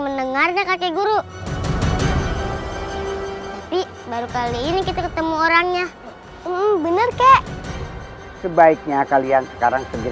mendengarnya kakek guru tapi baru kali ini kita ketemu orangnya bener kek sebaiknya kalian sekarang sedih